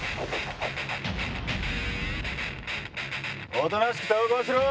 ⁉おとなしく投降しろ！